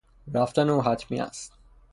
رفتن او حتمی است.